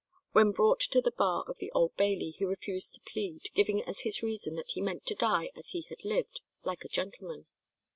When brought to the bar of the Old Bailey he refused to plead, giving as his reason that he meant to die as he had lived, like a gentleman.